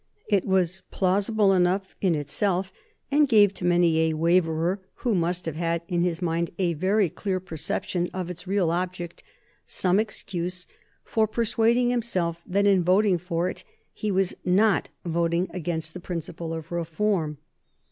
It was plausible enough in itself, and gave to many a Waverer, who must have had in his mind a very clear perception of its real object, some excuse for persuading himself that, in voting for it, he was not voting against the principle of reform.